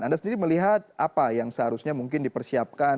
anda sendiri melihat apa yang seharusnya mungkin dipersiapkan